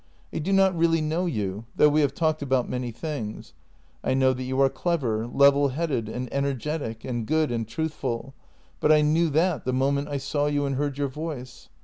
I do not really know you, though we have talked about many things. I know that you are clever, level headed, and energetic — and good and truthful, but I knew that the moment I saw you and heard your voice.